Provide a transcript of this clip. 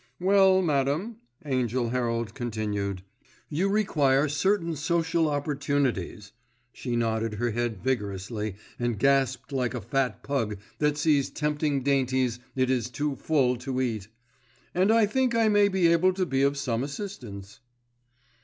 "Well, madam," Angell Herald continued, "you require certain social opportunities," she nodded her head vigorously and gasped like a fat pug that sees tempting dainties it is too full to eat, "and I think I may be able to be of some assistance."